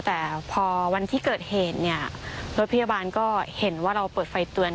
แต่พอวันที่เกิดเหตุเนี่ยรถพยาบาลก็เห็นว่าเราเปิดไฟเตือน